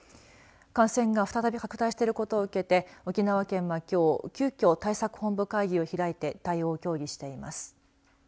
感染が再び拡大していることを受けて沖縄県はきょう、急きょ対策本部会議を開いて対応を協議しています。